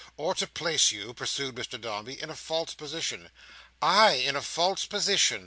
"—or to place you," pursued Mr Dombey, "in a false position." "I in a false position!"